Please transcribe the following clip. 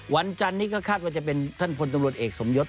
จันนี้ก็คาดว่าจะเป็นท่านพลตำรวจเอกสมยศ